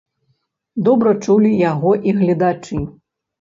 Добра чулі яго і гледачы.